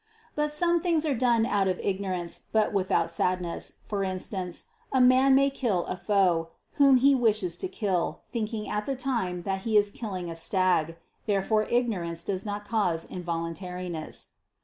But some things are done out of ignorance, but without sadness: for instance, a man may kill a foe, whom he wishes to kill, thinking at the time that he is killing a stag. Therefore ignorance does not cause involuntariness.